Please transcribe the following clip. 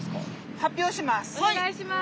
発表します！